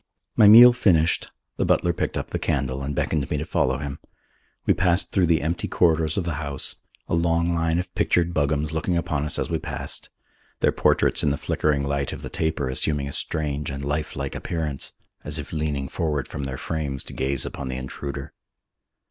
My meal finished, the butler picked up the candle and beckoned me to follow him. We passed through the empty corridors of the house, a long line of pictured Buggams looking upon us as we passed, their portraits in the flickering light of the taper assuming a strange and life like appearance, as if leaning forward from their frames to gaze upon the intruder.